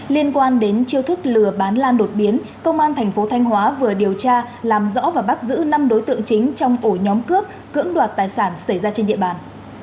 liên quan đến chiêu thức lừa bán lan đột biến công an thành phố thanh hóa vừa điều tra làm rõ và bắt giữ năm đối tượng chính trong ổ nhóm cướp cưỡng đoạt tài sản xảy ra trên địa bàn